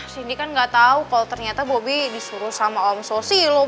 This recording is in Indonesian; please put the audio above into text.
sindi kan gak tahu kalau ternyata bubi disuruh sama om sosi loh